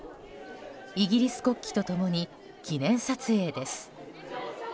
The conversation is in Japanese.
イギリス国旗と共に記念撮影です。